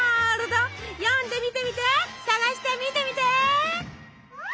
読んでみてみて探してみてみて！